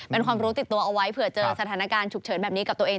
เป็นความรู้ติดตัวเอาไว้เผื่อเจอสถานการณ์ฉุกเฉินแบบนี้กับตัวเอง